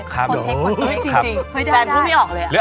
แฟนไม่ได้ออกเลย